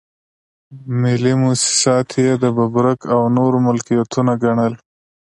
ملي مواسسات یې د ببرک او نورو ملکيتونه ګڼل.